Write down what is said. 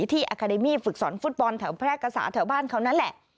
อาคาเดมี่ฝึกสอนฟุตบอลแถวแพร่กษาแถวบ้านเขานั่นแหละ